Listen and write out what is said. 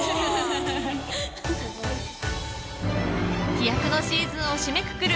飛躍のシーズンを締めくくる